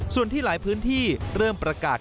ส่วนที่หลายพื้นที่เริ่มประกาศ